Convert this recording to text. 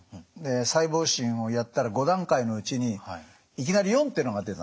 細胞診をやったら５段階のうちにいきなり４ってのが出たんですね。